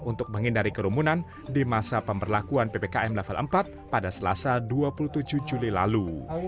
untuk menghindari kerumunan di masa pemberlakuan ppkm level empat pada selasa dua puluh tujuh juli lalu